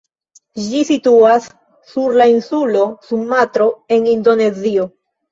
Ĝi situas sur la insulo Sumatro en Indonezio.